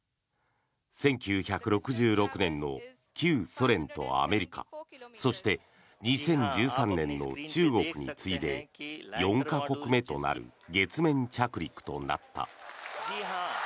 １９６６年の旧ソ連とアメリカそして２０１３年の中国に次いで４か国目となる月面着陸となった。